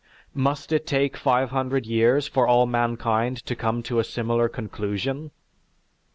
Must it take five hundred years for all mankind to come to a similar conclusion?